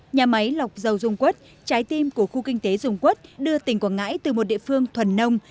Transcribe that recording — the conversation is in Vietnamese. nhà máy lọc dầu dung quất trái tim của khu kinh tế dung quốc đưa tỉnh quảng ngãi từ một địa phương thuần nông